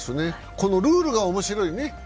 このルールが面白いね。